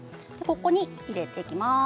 ここに入れていきます。